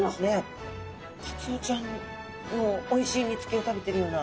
カツオちゃんのおいしい煮つけを食べてるような。